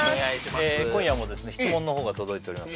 今夜も質問の方が届いております